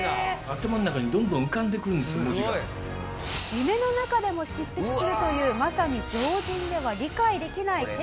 夢の中でも執筆するというまさに常人では理解できない天才的な能力。